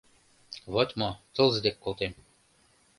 Вот мо, тылзе дек колтем.